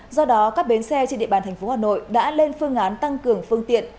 do đó các bến xe trên địa bàn thành phố hà nội đã lên phương án tăng cường phương tiện